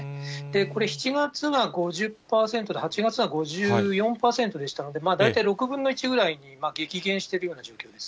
これ、７月は５０％で８月は５４％でしたので、大体６分の１くらいに激減しているような状況です。